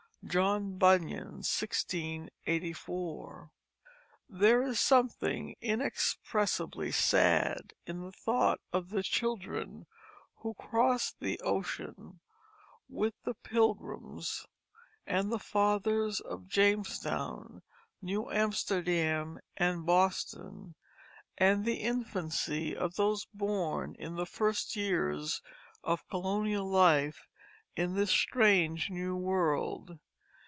John Bunyan, 1684._ There is something inexpressibly sad in the thought of the children who crossed the ocean with the Pilgrims and the fathers of Jamestown, New Amsterdam, and Boston, and the infancy of those born in the first years of colonial life in this strange new world.